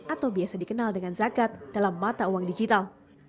atau biasa dikenal dengan zakat dalam mata uang digital